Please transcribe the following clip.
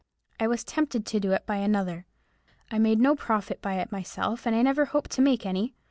I was tempted to do it by another. I made no profit by it myself, and I never hoped to make any.